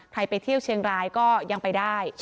ไปเที่ยวเชียงรายก็ยังไปได้